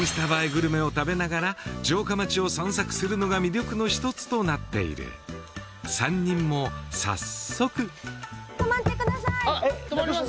グルメを食べながら城下町を散策するのが魅力の１つとなっている３人も早速止まります？